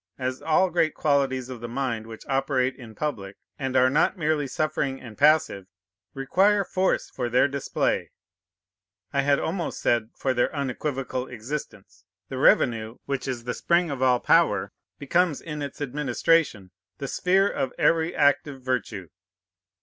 As all great qualities of the mind which operate in public, and are not merely suffering and passive, require force for their display, I had almost said for their unequivocal existence, the revenue, which is the spring of all power, becomes in its administration the sphere of every active virtue.